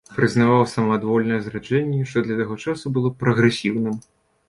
Прызнаваў самаадвольнае зараджэнне, што для таго часу было прагрэсіўным.